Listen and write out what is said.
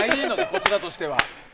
こちらとしては。